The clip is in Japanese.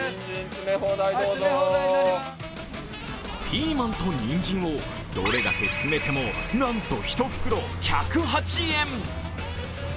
ピーマンとにんじんをどれだけ詰めても、なんと１袋１０８円。